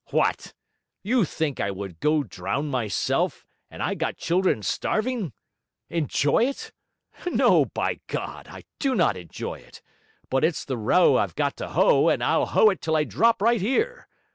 'What! you think I would go drown myself, and I got children starving? Enjoy it? No, by God, I do not enjoy it! but it's the row I've got to hoe, and I'll hoe it till I drop right here.